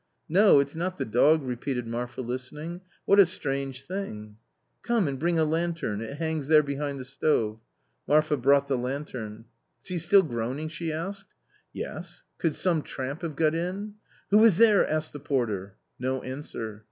" No, it's not the dog !" repeated Marfa listening. "What a strange thing !"" Come and bring a lantern ; it hangs there behind the stove." Marfa brought the lantern. " Is he still groaning ?" she asked. " Yes ! could some tramp have got in ?"" Who is there ?" asked the porter. No answer.